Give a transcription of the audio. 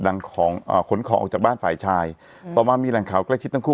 หลังของอ่าขนของออกจากบ้านฝ่ายชายอืมต่อมามีแหล่งข่าวใกล้ชิดทั้งคู่